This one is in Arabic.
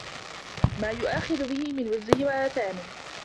مَا يُؤَاخَذُ بِهِ مِنْ وِزْرِهِ وَآثَامِهِ